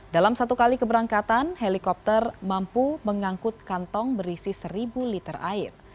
dalam satu kali keberangkatan helikopter mampu mengangkut kantong berisi seribu liter air